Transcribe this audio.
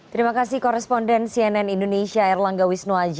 terima kasih koresponden cnn indonesia erlangga wisnu aji